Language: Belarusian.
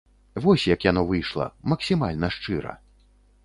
Вось як яно выйшла, максімальна шчыра.